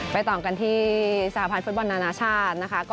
ไปต่องกันที่สหภัณฑ์ฟุตบอลณชาตินะคะ